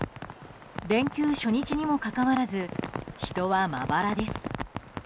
連休初日にもかかわらず人はまばらです。